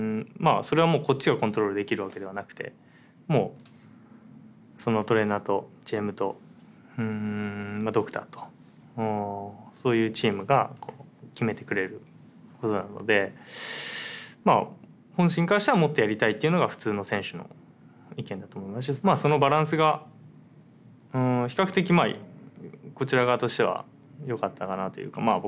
あそれはもうこっちがコントロールできるわけではなくてもうそのトレーナーとＧＭとドクターとそういうチームが決めてくれることなので本心からしたらもっとやりたいっていうのが普通の選手の意見だと思いますしそのバランスが比較的こちら側としてはよかったかなというかまあ